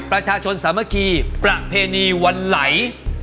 ประชาชนสามัคคีประเพณีวันไหล